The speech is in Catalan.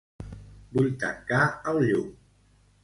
Vull tancar el llum.